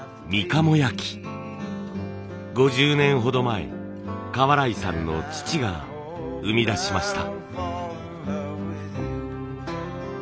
５０年ほど前川原井さんの父が生み出しました。